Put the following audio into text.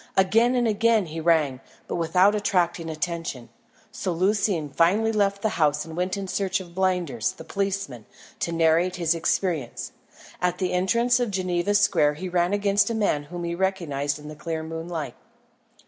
Again and again he rang, but without attracting attention; so Lucian finally left the house and went in search of Blinders, the policeman, to narrate his experience. At the entrance of Geneva Square he ran against a man whom he recognised in the clear moonlight.